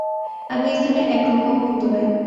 আমি এ স্থানে একরকম মন্দ নাই।